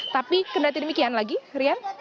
tapi kendati demikian lagi rian